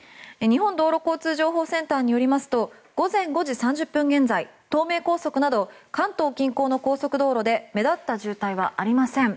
日本道路交通情報センターによりますと午前５時３０分現在東名高速など関東近郊の高速道路で目立った渋滞はありません。